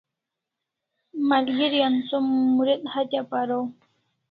Malgeri an som Mumuret hatya paraw